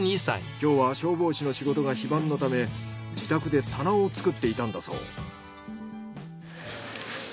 今日は消防士の仕事が非番のため自宅で棚を作っていたんだそう。